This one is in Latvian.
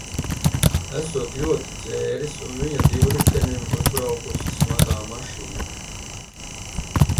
Esot ļoti dzēris un viņa divritenim uzbraukusi smagā mašīna.